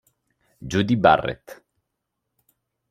Judi Barrett